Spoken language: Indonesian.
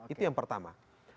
itu yang pertama